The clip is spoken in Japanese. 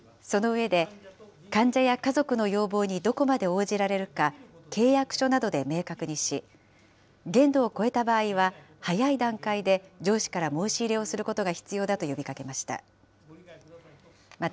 その上で、患者や家族の要望にどこまで応じられるか、契約書などで明確にし、限度を超えた場合は、早い段階で上司から申し入れをすることが必要だと呼びかけました。